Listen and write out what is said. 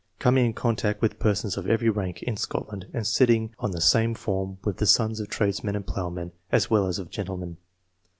Coming in contact with persons of every rank [in Scotland], and sitting on the same form with the sons of tradesmen and ploughmen, as well as of gentlemen."